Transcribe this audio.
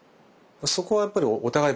そこはやっぱりお互い